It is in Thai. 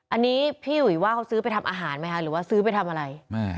อันนี้พี่อุ๋ยว่าเขาซื้อไปทำอาหารไหมคะหรือว่าซื้อไปทำอะไร